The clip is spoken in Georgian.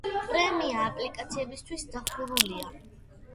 პრემია აპლიკაციებისთვის დახურულია.